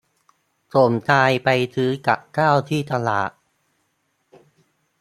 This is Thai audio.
สมชายไปซื้อกับข้าวที่ตลาด